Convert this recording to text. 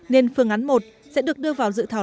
nên phương án một sẽ được đưa vào dự thảo